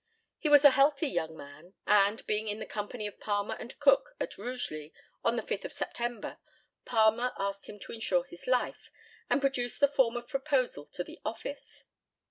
He was a healthy young man; and, being in the company of Palmer and Cook at Rugeley on the 5th of September, Palmer asked him to insure his life, and produced the form of proposal to the office.